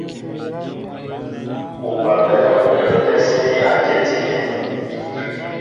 Ubabɛ̂ ú pə́ə́tɛ́ síní a dyɛti áteŋ.